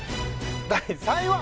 第３位は。